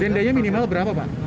dendanya minimal berapa pak